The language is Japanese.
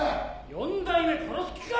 ・・四代目殺す気か！